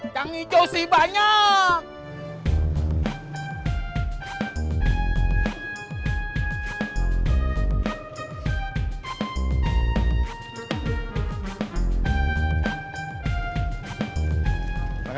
cang ijo sih banyak